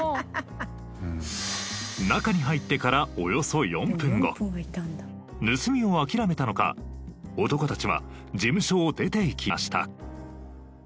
中に入ってからおよそ４分後盗みを諦めたのか男たちは事務所を出ていきました。